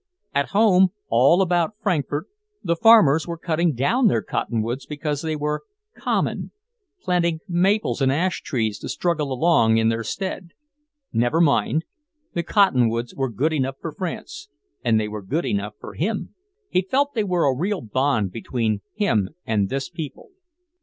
At home, all about Frankfort, the farmers were cutting down their cottonwoods because they were "common," planting maples and ash trees to struggle along in their stead. Never mind; the cottonwoods were good enough for France, and they were good enough for him! He felt they were a real bond between him and this people.